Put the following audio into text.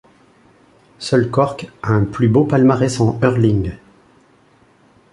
Seul Cork a un plus beau palmarès en hurling.